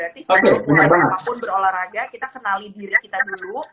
apapun berolahraga kita kenali diri kita dulu